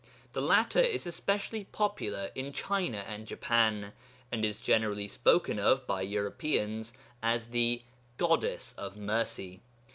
The latter is especially popular in China and Japan, and is generally spoken of by Europeans as the 'Goddess of Mercy.'